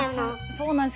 そうなんです。